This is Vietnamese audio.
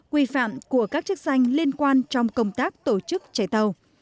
quy phạm của các chức danh liên quan trong công tác tổ chức chạy tàu